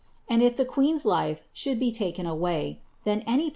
And if tlie queen's life should be taken away, then any iemorials.